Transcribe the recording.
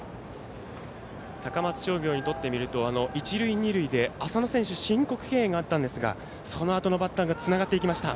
高松商業にとってみると一塁二塁で浅野選手申告敬遠があったんですがそのあとのバッターがつながっていきました。